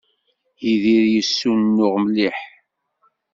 Yidir yessunuɣ mliḥ.